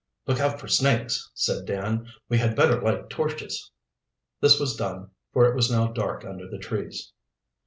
"Look out for snakes," said Dan. "We had better light torches." This was done, for it was now dark under the trees.